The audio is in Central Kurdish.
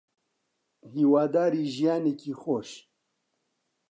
هیواداری ژیانێکی خۆش